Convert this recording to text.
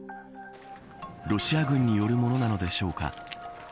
ロシア軍によるものなんでしょうか